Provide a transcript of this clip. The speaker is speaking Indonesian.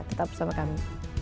tetap bersama kami